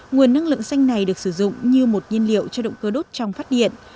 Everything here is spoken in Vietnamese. nguồn năng lượng xanh này được sử dụng như một nhiên liệu cho động cơ đốt trong phát điện